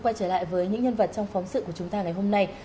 quay trở lại với những nhân vật trong phóng sự của chúng ta ngày hôm nay